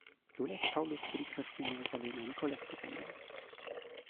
So lässt Paulus für die Christen in Jerusalem eine Kollekte sammeln.